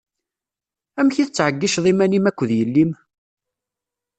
Amek i tettɛeyyiceḍ iman-im akked yelli-m?